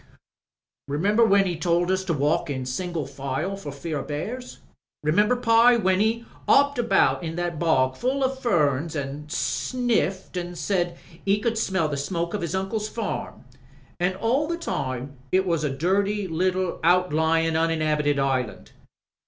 Remember when *e told us to walk in single file for fear o* bears ? 'Remember, Pye, when *e *opped about in that bog full o' ferns an* sniffed an* said *e could smell the smoke of *is uncle's farm? An* all the time it was a dirty little out lyin* uninhabited island.